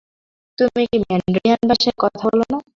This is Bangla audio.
তুমি কি ম্যান্ডারিয়ান ভাষায় কথা বলো না?